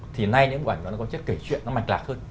thì nay những bộ ảnh nó có chất kể chuyện nó mạch lạc hơn